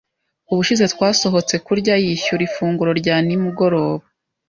Ubushize twasohotse kurya, yishyuye ifunguro rya nimugoroba.